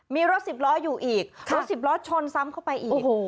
มีรถสิบล้ออยู่อีกรถสิบล้อชนซ้ำเข้าไปอีก